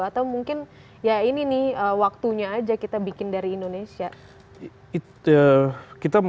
atau mungkin ya ini nih waktunya aja kita bikin dari indonesia